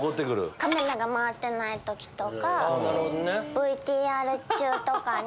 カメラが回ってない時とかＶＴＲ中とかに。